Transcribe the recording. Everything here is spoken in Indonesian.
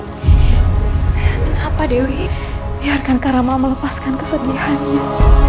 kenapa dewi biarkanka rama melepaskan kesedihannya